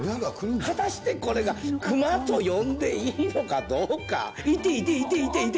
果たしてこれが熊と呼んでいいのかどうか。